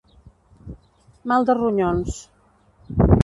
Mal de ronyons.